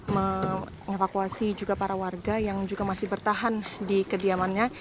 mengevakuasi juga para warga yang juga masih bertahan di kediamannya